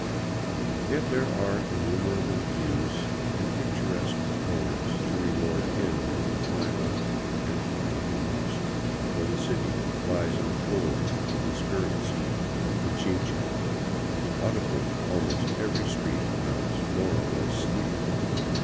Yet there are innumerable views and picturesque corners to reward him who will climb out ; and climb he must, for the city lies in a fold of the skirts of Pichincha, out of which almost every street mounts more or less steeply.